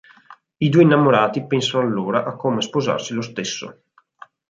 I due innamorati pensano allora a come sposarsi lo stesso.